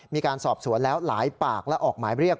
มีการสอบสวนแล้วหลายปากและออกหมายเรียก